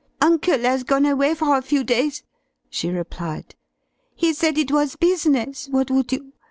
"Uncle has gone away for a few days," she replied. "He said it was business what would you?